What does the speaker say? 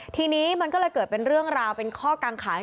ทีนี้มันก็เลยเกิดเป็นเรื่องราวเป็นข้อกังขาน